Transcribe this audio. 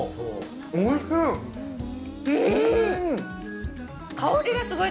おいしい！